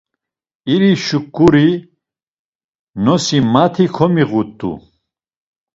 İri şuǩuri nosi mati komiğut̆u.